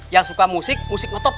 yang suka musik musik ngetop